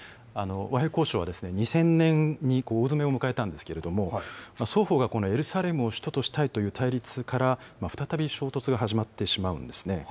和平交渉は２０００年に大詰めを迎えたんですけれども、双方がこのエルサレムを首都としたいという対立から、再び衝突が始まってしまうんですね。